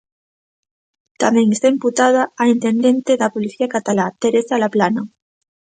Tamén está imputada a intendente da policía catalá, Teresa Laplana.